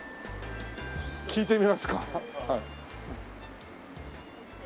聞いてみますか。